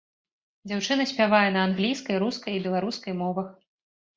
Дзяўчына спявае на англійскай, рускай і беларускай мовах.